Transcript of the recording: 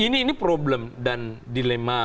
ini problem dan dilema